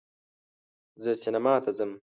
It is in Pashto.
زه سینما ته ځم